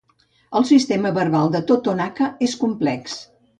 El sistema verbal del totonaca és complex.